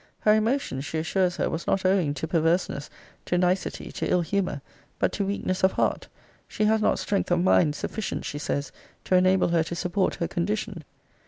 Her emotion, she assures her, was not owing to perverseness, to nicety, to ill humour; but to weakness of heart. She has not strength of mind sufficient, she says, to enable her to support her condition.